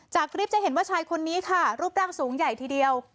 จากคลิปจะเห็นว่าชายคนนี้ค่ะรูปร่างสูงใหญ่ทีเดียว